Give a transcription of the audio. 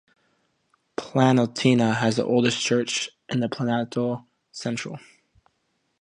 Planaltina has the oldest church in the Planalto Central.